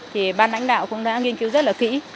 thì ban lãnh đạo cũng đã nghiên cứu rất là kỹ